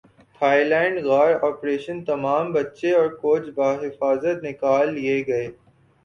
Thai land غار operation تمام بچے اور کوچ بحفاظت نکال لئے گئے